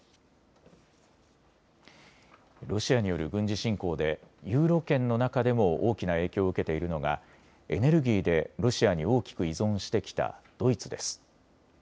ロシアによる軍事侵攻でユーロ圏の中でも大きな影響を受けているのがエネルギーでロシアに大きく依存してきたドイツです。